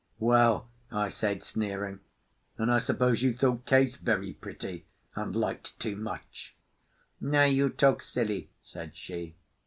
"Well," I said, sneering, "and I suppose you thought Case 'very pretty' and 'liked too much'?" "Now you talk silly," said she.